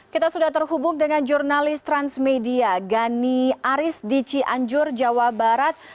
kita sudah terhubung dengan jurnalis transmedia gani aris di cianjur jawa barat